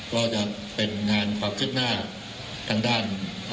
ก็จะเป็นงานความคืบหน้าทางด้าน